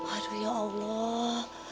aduh ya allah